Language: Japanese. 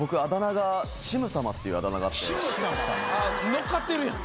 乗っかってるやん。